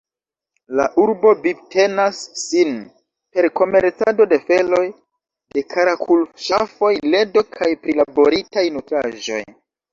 La urbo vivtenas sin per komercado de feloj de karakul-ŝafoj, ledo kaj prilaboritaj nutraĵoj.